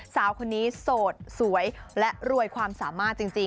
สาวคนนี้โสดสวยและรวยความสามารถจริง